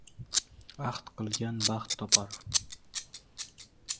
Ahd qilgan baxt topar.